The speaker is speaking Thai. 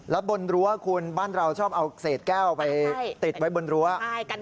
แล้วบนรั้วคุณบ้านเราชอบเอาเศษแก้วไปติดไว้บนรั้ว